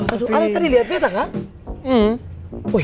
aduh tadi lihat bete enggak